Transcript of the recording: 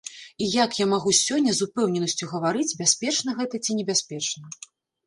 І як я магу сёння з упэўненасцю гаварыць, бяспечна гэта ці небяспечна?